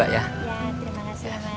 ya terima kasih mas